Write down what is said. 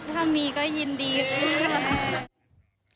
ถ้ามีก็ยินดีคือ